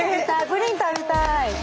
プリン食べたい！